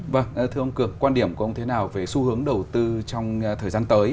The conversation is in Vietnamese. vâng thưa ông cường quan điểm của ông thế nào về xu hướng đầu tư trong thời gian tới